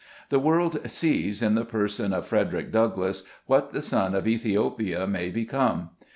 The world sees, in the person of Frederick Douglass, what the son of Ethiopia may become.